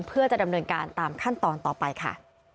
เพื่อจะดำเนินการตามขั้นตอนต่อไปค่ะ